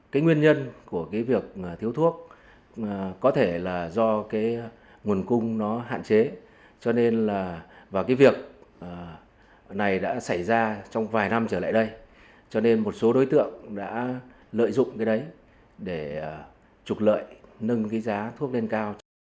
cái nguyên nhân của cái việc thiếu thuốc có thể là do cái nguồn cung nó hạn chế cho nên là cái việc này đã xảy ra trong vài năm trở lại đây cho nên một số đối tượng đã lợi dụng cái đấy để trục lợi nâng cái giá thuốc lên cao